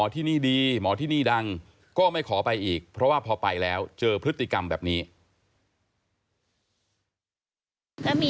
ที่นี่ดังก็ไม่ขอไปอีกเพราะว่าพอไปแล้วเจอพฤติกรรมแบบนี้